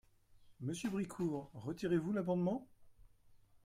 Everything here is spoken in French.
Monsieur Bricout, retirez-vous l’amendement?